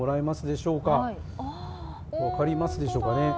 分かりますでしょうか。